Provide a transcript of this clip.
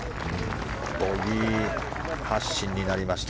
ボギー発進になりました